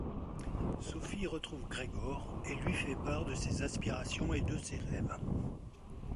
Sophie retrouve Gregor et lui fait part de ses aspirations et de ses rêves.